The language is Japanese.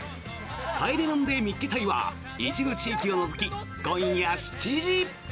「帰れマンデー見っけ隊！！」は一部地域を除き、今夜７時。